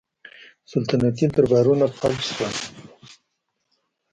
سلطنتي دربارونه فلج شول